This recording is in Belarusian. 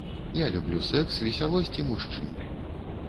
Я люблю сэкс, весялосць і мужчын.